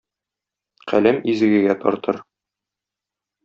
Каләм изгегә тартыр.